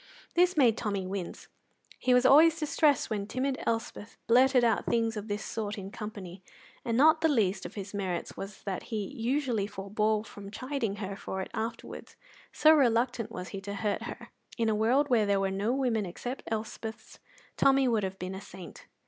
This made Tommy wince. He was always distressed when timid Elspeth blurted out things of this sort in company, and not the least of his merits was that he usually forbore from chiding her for it afterwards, so reluctant was he to hurt her. In a world where there were no women except Elspeths, Tommy would have been a saint.